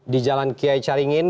di jalan kiai caringin